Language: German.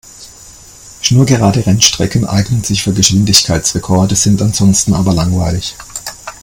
Schnurgerade Rennstrecken eignen sich für Geschwindigkeitsrekorde, sind ansonsten aber langweilig.